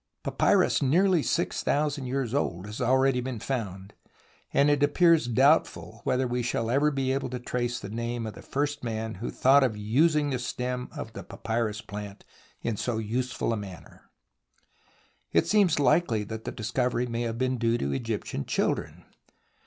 Papyrus nearly six thousand years old has already been found, and it appears doubtful whether we shall ever be able to trace the name of the first man who thought of using the stem of the papyrus plant in so useful a manner. It seems hkely that the discovery may have been due to Egyptian children.